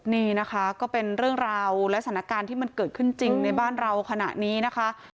นี่นะคะก็เป็นเรื่องราวและสถานการณ์ที่มันเกิดขึ้นจริงในบ้านเราขณะนี้นะคะ